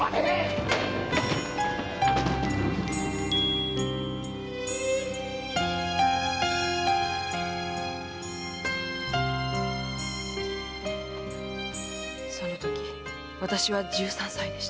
〕そのとき私は十三歳でした。